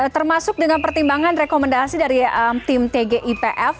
termasuk dengan pertimbangan rekomendasi dari tim tgipf